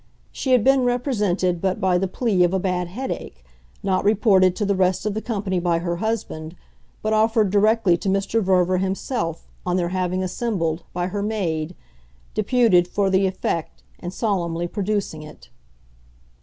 She had been represented but by the plea of a bad headache, not reported to the rest of the company by her husband, but offered directly to Mr. Verver himself, on their having assembled, by her maid, deputed for the effect and solemnly producing it.